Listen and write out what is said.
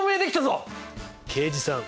刑事さん